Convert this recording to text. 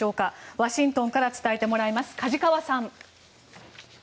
ワシントンから伝えてもらいます梶川さん。